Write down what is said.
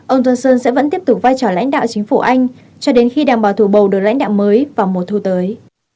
ông johnson sẽ vẫn tiếp tục vai trò lãnh đạo chính phủ anh cho đến khi đảng bảo thủ bầu được lãnh đạo mới vào mùa thu tới